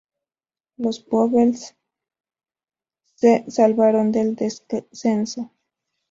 Los Wolves se salvaron del descenso.